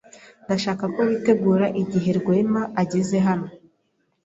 Ndashaka ko witegura igihe Rwema ageze hano.